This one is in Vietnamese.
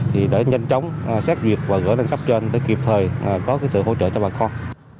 thì để nhanh chóng xét duyệt và gửi lên cấp trên để kịp thời có cái sự hỗ trợ cho bà con